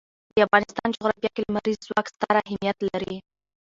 د افغانستان جغرافیه کې لمریز ځواک ستر اهمیت لري.